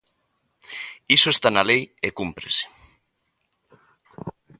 Iso está na lei, e cúmprese.